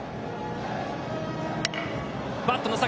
バット先。